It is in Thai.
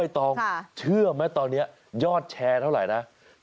ตอนนี้ยอดแชร์เท่าไหร่นะ